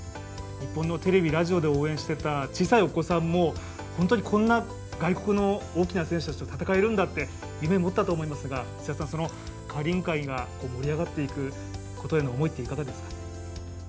日本のテレビ、ラジオで応援していた小さいお子さんも本当にこんな外国の大きな選手たちと戦えるんだって夢を持ったと思いますがカーリング界が盛り上がっていくことへの思いって、いかがですか？